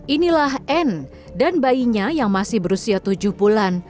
inilah anne dan bayinya yang masih berusia tujuh bulan